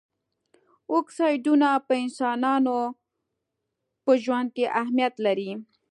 اکسایډونه په انسانانو په ژوند کې اهمیت لري.